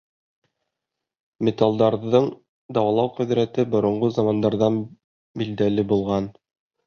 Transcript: Металдарҙың дауалау ҡөҙрәте боронғо замандарҙан билдәле булған.